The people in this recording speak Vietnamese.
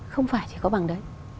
không phải chỉ có bằng đấy